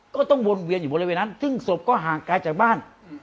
ก็ต้องวนเวียนอยู่บริเวณนั้นซึ่งศพก็ห่างไกลจากบ้าน